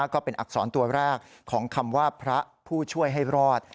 ก็เป็นอักษรตัวแรกของคำว่าพระผู้ช่วยให้รอด